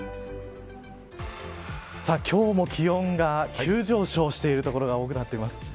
今日も気温が急上昇している所が多くなっています。